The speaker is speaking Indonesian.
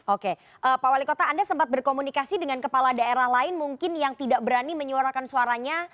oke pak wali kota anda sempat berkomunikasi dengan kepala daerah lain mungkin yang tidak berani menyuarakan suaranya